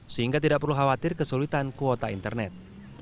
sehingga tidak perlu khawatir kesulitan kuota internet